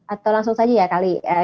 atau langsung saja ya